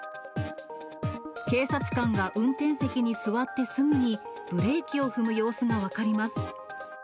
警察官が運転席に座ってすぐに、ブレーキを踏む様子が分かります。